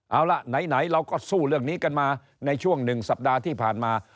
เอาล่ะไหนเราก็สู้เรื่องนี้กันมาในช่วง๑สัปดาห์ที่ผ่านมา